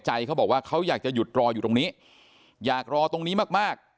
เขาบอกว่าเขาอยากจะหยุดรออยู่ตรงนี้อยากรอตรงนี้มากมาก